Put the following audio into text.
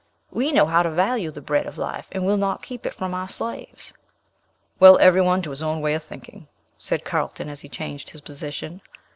We know how to value the bread of life, and will not keep it from our slaves." "Well, every one to his own way of thinking," said Carlton, as he changed his position.